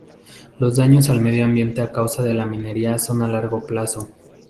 Los daños al medio ambiente a causa de la minería son a largo plazo.